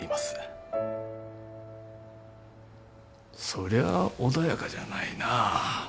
そりゃ穏やかじゃないな。